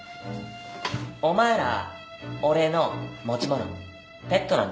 お前ら俺の持ち物ペットなんだよ